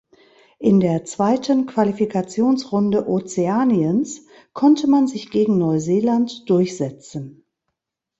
In der zweiten Qualifikationsrunde Ozeaniens konnte man sich gegen Neuseeland durchsetzen.